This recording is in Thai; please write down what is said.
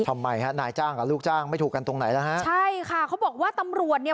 ทำไมฮะนายจ้างกับลูกจ้างไม่ถูกกันตรงไหนแล้วฮะใช่ค่ะเขาบอกว่าตำรวจเนี่ย